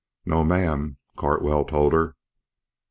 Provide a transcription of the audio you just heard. "No, ma'am," Cartwell told her.